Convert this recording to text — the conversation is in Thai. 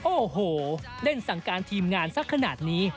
โอ้โหเล่นสั่งการทีมงานสักขนาดนี้